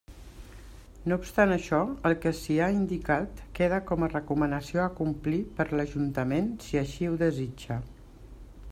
No obstant això, el que s'hi ha indicat queda com a recomanació a complir per l'ajuntament si així ho desitja.